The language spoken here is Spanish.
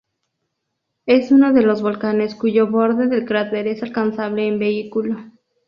Es uno de los volcanes cuyo borde del cráter es alcanzable en vehículo.